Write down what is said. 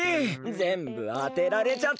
ぜんぶあてられちゃった！